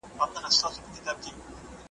ږغ واوره.